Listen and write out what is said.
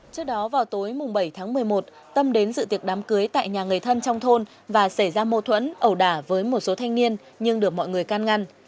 trước đó vào tối bảy tháng một mươi một tâm đến dự tiệc đám cưới tại nhà người thân trong thôn và xảy ra mâu thuẫn ẩu đả với một số thanh niên nhưng được mọi người can ngăn